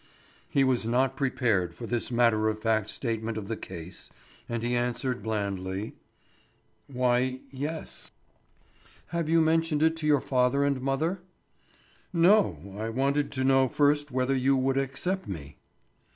He was not prepared for this matter of fact statement of the case, and he answered blandly: "Why, yes." "Have you mentioned it to your father and mother?" "No, I wanted to know first whether you would accept me."